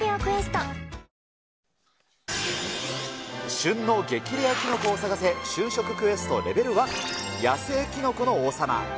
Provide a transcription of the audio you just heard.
旬の激レアキノコを探せ、旬食クエストレベル１、野生キノコの王様。